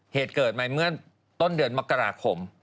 เหตุเกิดมาเมื่อต้นเดือนมกราคม